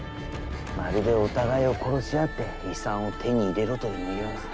まるでお互いを殺し合って遺産を手に入れろというような。